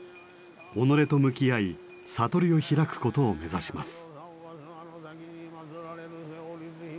己と向き合い悟りを開くことを目指します。